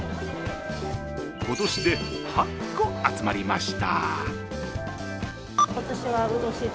今年で８個、集まりました。